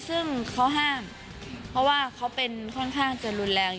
ซึ่งเขาห้ามเพราะว่าเขาเป็นค่อนข้างจะรุนแรง